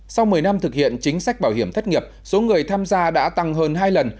sau một mươi năm thực hiện chính sách bảo hiểm thất nghiệp số người tham gia đã tăng hơn hai lần